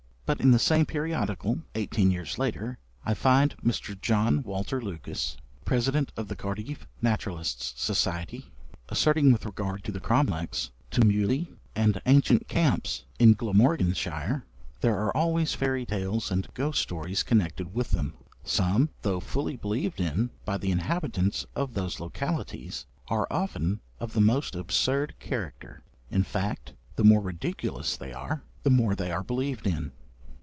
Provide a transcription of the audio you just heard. But in the same periodical, eighteen years later, I find Mr. John Walter Lukis (President of the Cardiff Naturalists' Society), asserting with regard to the cromlechs, tumuli, and ancient camps in Glamorganshire: 'There are always fairy tales and ghost stories connected with them; some, though fully believed in by the inhabitants of those localities, are often of the most absurd character; in fact, the more ridiculous they are, the more they are believed in.'